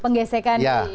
penggesekan di bank x